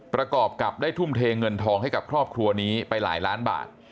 ประกอบกับได้ทุ่มเทเงินทองให้กับครอบครัวนี้ไปหลายล้านบาท